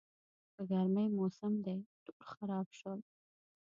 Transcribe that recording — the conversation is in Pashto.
د ګرمي موسم دی، ټول خراب شول.